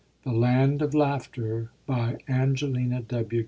THE LAND OF LAUGHTER ANGELINA W.